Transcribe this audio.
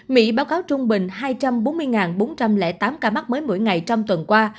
mỹ báo cáo trung bình hai trăm bốn mươi bốn trăm linh tám ca mắc mới mỗi ngày trong tuần qua